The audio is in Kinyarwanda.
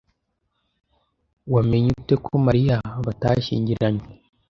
Wamenye ute ko na Mariya batashyingiranywe?